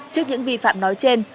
trước những vi phạm nói trên